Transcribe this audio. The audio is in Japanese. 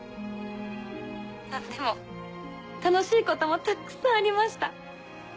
あっでも楽しいこともたくさんありました。